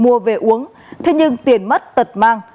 mua về uống thế nhưng tiền mất tật mang